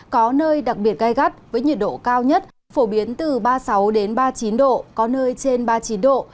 có nơi đặc biệt gai gắt với nhiệt độ cao nhất phổ biến từ ba mươi sáu ba mươi chín độ có nơi trên ba mươi chín độ